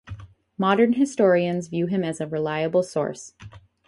Modern historians view him as a reliable source.